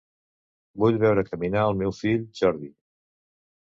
Vull veure caminar el meu fill, Jordi.